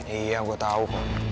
iya gue tau